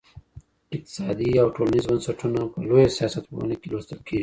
اقتصادي او ټولنيز بنسټونه په لويه سياستپوهنه کې لوستل کېږي.